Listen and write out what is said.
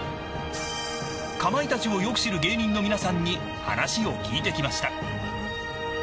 かまいたちをよく知る芸人の皆さんに話を聞いてきました。